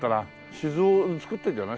酒造造ってるんじゃない？